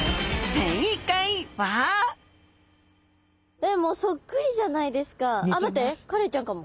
えっもうそっくりじゃないですかあっ待ってカレイちゃんかも。